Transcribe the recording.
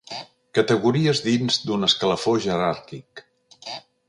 Categories dins d'un escalafó jeràrquic.